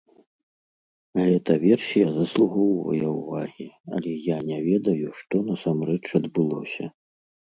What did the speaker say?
Гэта версія заслугоўвае ўвагі, але я не ведаю, што насамрэч адбылося.